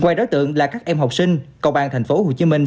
ngoài đối tượng là các em học sinh cầu bàn thành phố hồ chí minh